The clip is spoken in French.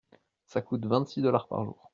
Ça coûte vingt-six dollars par jour.